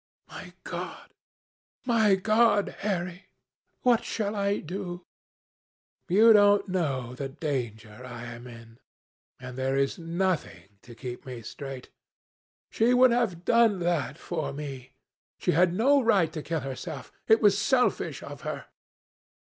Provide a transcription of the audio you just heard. My God! My God! Harry, what shall I do? You don't know the danger I am in, and there is nothing to keep me straight. She would have done that for me. She had no right to kill herself. It was selfish of her."